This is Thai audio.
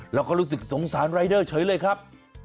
รู้สึกสงสารรายเดอร์เฉยเลยครับ